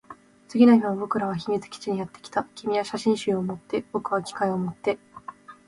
次の日も僕らは秘密基地にやってきた。君は写真集を持って、僕は機械を持って。